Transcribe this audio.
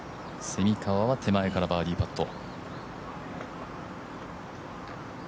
蝉川は手前からバーディーパット。